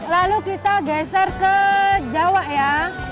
lalu kita geser ke jawa ya